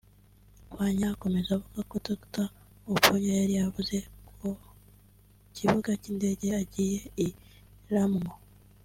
Kwanya akomeza avuga ko Dr Obonyo yari avuye ku kibuga cy’indege agiye i Lamwo